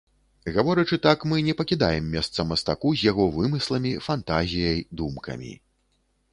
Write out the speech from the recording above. Гаворачы так, мы не пакідаем месца мастаку, з яго вымысламі, фантазіяй, думкамі.